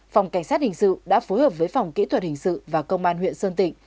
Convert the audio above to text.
phòng cảnh sát hình sự đã phối hợp với phòng kỹ thuật hình sự và công an huyện sơn tịnh